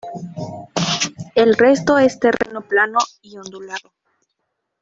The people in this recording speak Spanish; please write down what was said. El resto es terreno plano y ondulado.